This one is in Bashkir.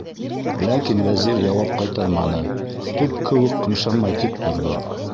Ләкин Вәзир яуап ҡайтарманы, төп кеүек ҡымшанмай тик торҙо.